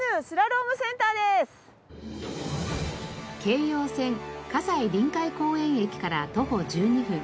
京葉線西臨海公園駅から徒歩１２分。